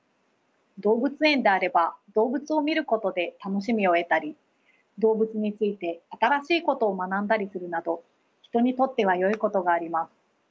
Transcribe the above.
動物園であれば動物を見ることで楽しみを得たり動物について新しいことを学んだりするなど人にとってはよいことがあります。